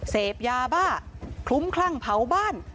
เสพยาบ้าคลุ้มคลั่งเผาบ้าน